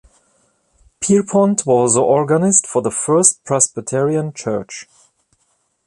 Pierpont was organist for the First Presbyterian Church.